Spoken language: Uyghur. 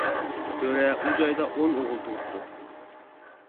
بۆرە ئۇ جايدا ئون ئوغۇل تۇغۇپتۇ.